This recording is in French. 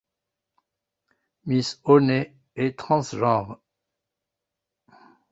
Miss Honey est transgenre.